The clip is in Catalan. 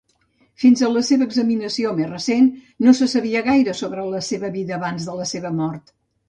Fins a la seva examinació més recent, no se sabia gaire sobre la seva vida abans de la seva mort.